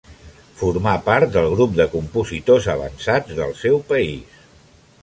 Formà part del grup de compositors avançats del seu país.